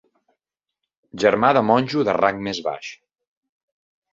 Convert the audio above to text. Germà de monjo de rang més baix.